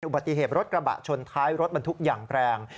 อุปฏิเหตุรถกระบะชนไพรรถบรรทุกอย่างแปลง